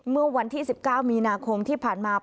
เมื่อวันที่๑๙มีนาคมที่ผ่านมา